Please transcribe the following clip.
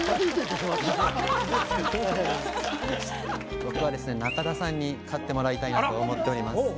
僕は中田さんに勝ってもらいたいなと思っております。